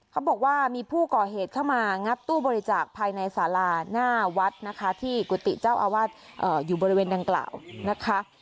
เขาบอกว่ามีผู้ก่อเหตุเข้ามางัดตู้บริจาคภายในสาราหน้าวัดนะคะที่กุฏิเจ้าอาวาสอยู่บริเวณดังกล่าวนะคะ